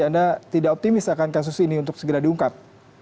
anda tidak optimis akan kasus ini untuk segera diungkap